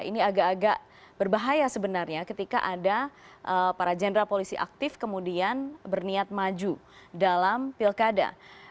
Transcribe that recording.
ini agak agak berbahaya sebenarnya ketika ada para jenderal polisi aktif kemudian berniat maju dalam pilkada